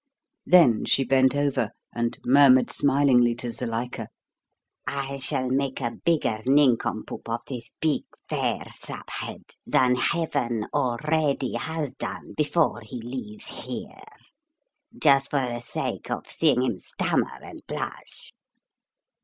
Then she bent over and murmured smilingly to Zuilika: "I shall make a bigger nincompoop of this big, fair sap head than Heaven already has done before he leaves here, just for the sake of seeing him stammer and blush!"